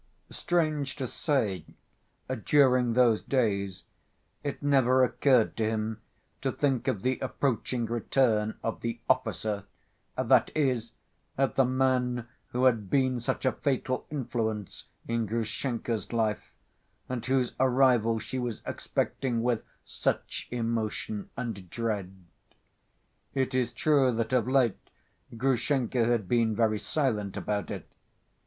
Strange to say, during those days it never occurred to him to think of the approaching return of the "officer," that is, of the man who had been such a fatal influence in Grushenka's life, and whose arrival she was expecting with such emotion and dread. It is true that of late Grushenka had been very silent about it.